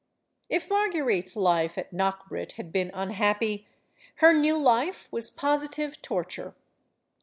If Marguerite's life at Knockbrit had been unhappy, her new life was positive torture.